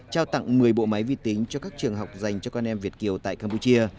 trao tặng một mươi bộ máy vi tính cho các trường học dành cho con em việt kiều tại campuchia